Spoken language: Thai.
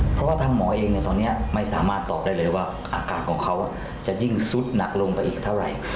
เพราะว่าทางหมอเองตอนนี้ไม่สามารถตอบได้เลยว่าอากาศของเขาจะยิ่งสุดหนักลงไปอีกเท่าไหร่